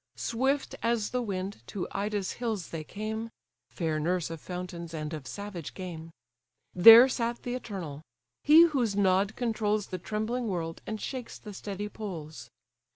Swift as the wind, to Ida's hills they came, (Fair nurse of fountains, and of savage game) There sat the eternal; he whose nod controls The trembling world, and shakes the steady poles.